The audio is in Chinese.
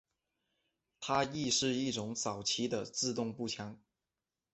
它亦是一种早期的自动步枪。